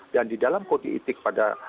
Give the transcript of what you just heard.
dan di dalam kode itik pada